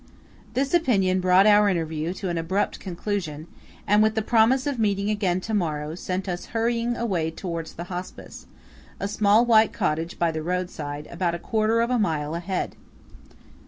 This opinion brought our interview to an abrupt conclusion, and, with the promise of meeting again to morrow, sent us hurrying away towards the Hospice–a small white cottage by the roadside, about a quarter of a mile ahead.